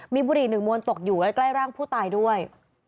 มีบุหรี่หนึ่งมวลตกอยู่ใกล้ร่างผู้ตายด้วย